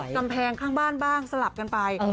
กำแพงข้างบ้านบ้างสลับกันไป